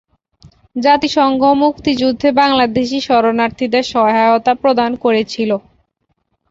জাতিসংঘ মুক্তিযুদ্ধে বাংলাদেশী শরণার্থীদের সহায়তা প্রদান করেছিল।